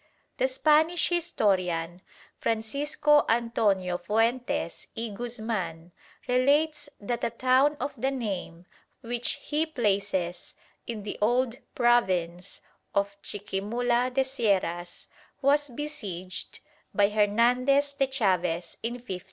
The Spanish historian Francisco Antonio Fuentes y Guzman relates that a town of the name, which he places in the old province of Chiquimula de Sierras, was besieged by Hernandes de Chaves in 1530.